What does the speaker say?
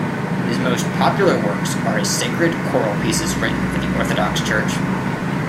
His most popular works are his sacred choral pieces written for the Orthodox Church.